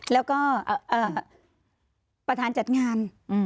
แล้วก็ประธานจัดงาน